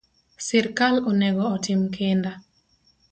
Sirkal onego otim kinda